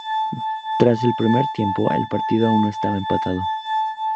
Tras el primer tiempo, el partido aún estaba empatado.